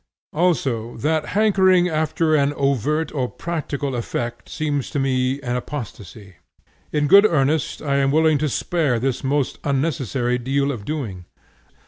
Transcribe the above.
Also that hankering after an overt or practical effect seems to me an apostasy. In good earnest I am willing to spare this most unnecessary deal of doing.